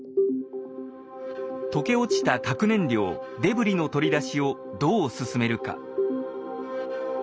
溶け落ちた核燃料デブリの取り出しをどう進めるか。